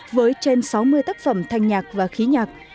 với trên sáu mươi tác phẩm thanh nhạc và khí nhạc